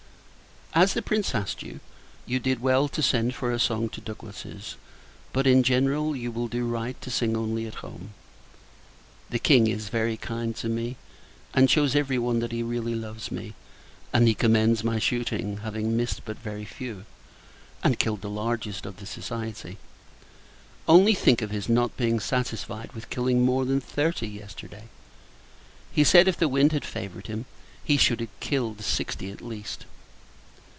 As the Prince asked you, you did well to send for a song to Douglass's; but, in general, you will do right to sing only at home. The King is very kind to me, and shews every one that he really loves me: and he commends my shooting; having missed but very few, and killed the largest of the society. Only think of his not being satisfied with killing more than thirty, yesterday! He said, if the wind had favoured him, he should have killed sixty at least.